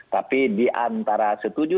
tapi diantara setuju